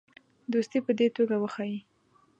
دوستي په دې توګه وښیي.